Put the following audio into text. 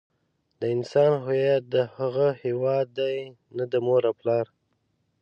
د انسان هویت د هغه هيواد دی نه مور او پلار.